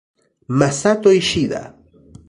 Masato Ishida